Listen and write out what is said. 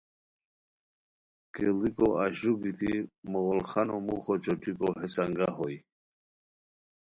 کیڑیکو اشرو گیتی مغل خانو موخہ چوٹیکو ہیس انگاہ ہوئے